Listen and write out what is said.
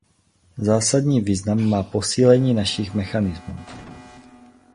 Zásadní význam má posílení našich mechanismů.